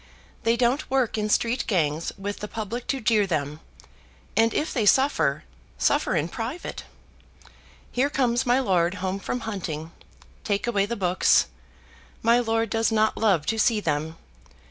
"They don't work in street gangs with the public to jeer them: and if they suffer, suffer in private. Here comes my lord home from hunting. Take away the books. My lord does not love to see them.